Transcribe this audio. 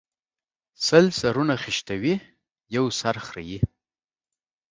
سل سرونه خشتوي ، يو سر خريي